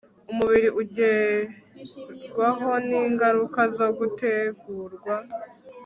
umubiri ugerwaho ningaruka zo gutengurwa